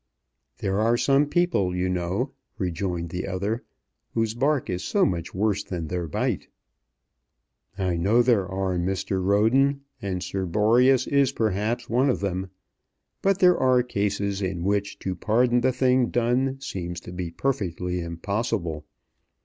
"There are some people, you know," rejoined the other, "whose bark is so much worse than their bite." "I know there are, Mr. Roden, and Sir Boreas is perhaps one of them; but there are cases in which to pardon the thing done seems to be perfectly impossible.